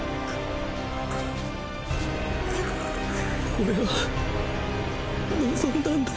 オレは望んだんだ。